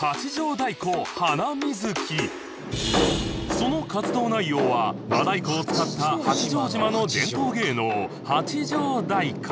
その活動内容は和太鼓を使った八丈島の伝統芸能八丈太鼓